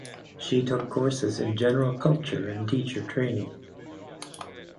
She took courses in general culture and teacher training.